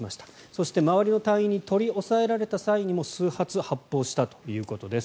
そして、周りの隊員に取り押さえられた際にも数発発砲したということです。